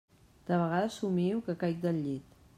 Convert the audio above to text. De vegades somio que caic del llit.